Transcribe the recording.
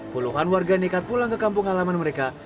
puluhan warga nekat pulang ke kampung halaman mereka